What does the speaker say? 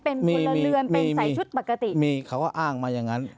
เป็นพลเรือนเป็นใส่ชุดปกติมีเขาก็อ้างมาอย่างงั้น